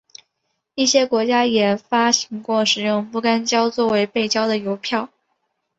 一些国家也发行过使用不干胶作为背胶的邮票。